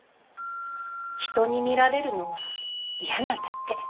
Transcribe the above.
人に見られるのは嫌なんだって。